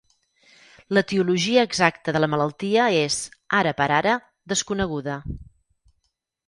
L'etiologia exacta de la malaltia és, ara per ara, desconeguda.